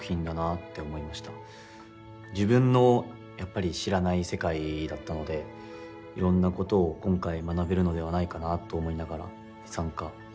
自分の知らない世界だったのでいろんなことを今回学べるのではないかと思いながら参加今しております。